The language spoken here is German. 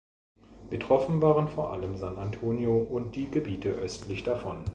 Betroffen waren vor allem San Antonio und die Gebiete östlich davon.